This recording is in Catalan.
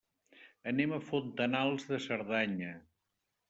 Anem a Fontanals de Cerdanya.